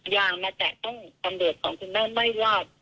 อยากมาจัดการมันต้องคุณแม่ไม่ลาด